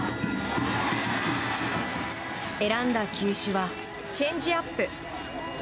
選んだ球種はチェンジアップ。